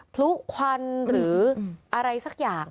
พลุควันหรืออะไรสักอย่าง